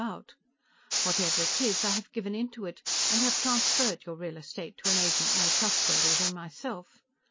Whatever it is, I have given in to it and have transferred your real estate to an agent more trustworthy than myself.